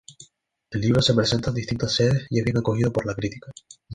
El libro se presenta en distintas sedes y es bien acogido por la crítica.